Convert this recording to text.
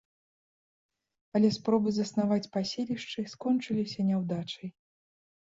Але спробы заснаваць паселішчы скончыліся няўдачай.